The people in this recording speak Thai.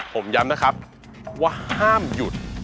ผมย้ำนะครับว่าห้ามหยุด